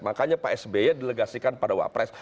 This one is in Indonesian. makanya psb nya delegaskan pada wapres